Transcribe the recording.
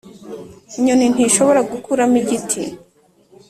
inyoni ntishobora gukuramo igti